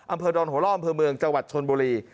อำเภอดอนหัวล่ออำเภอเมืองจังหวัดชนบุรี